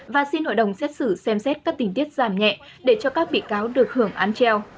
và xin hội đồng xét xử xem xét các tình tiết giảm nhẹ để cho các bị cáo được hưởng án treo